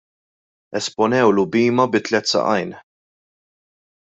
Esponewlu bhima bi tliet saqajn.